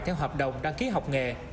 theo hợp đồng đăng ký học nghề